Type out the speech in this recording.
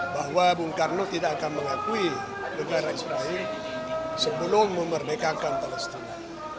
bahwa bung karno tidak akan mengakui negara israel sebelum memerdekakan palestina